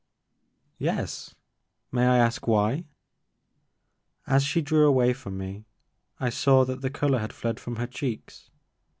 Yes, — may I ask why ?'* As she drew away from me, I saw that the color had fled from her cheeks.